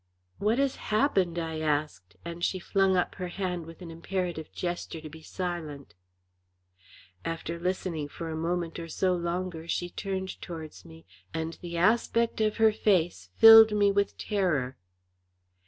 "What has happened?" I asked, and she flung up her hand with an imperative gesture to be silent. After listening for a minute or so longer she turned towards me, and the aspect of her face filled me with terror.